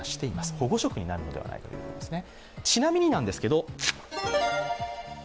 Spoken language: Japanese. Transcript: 保護色になるのではないかということですね。